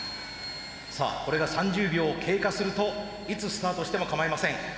さあこれが３０秒経過するといつスタートしてもかまいません。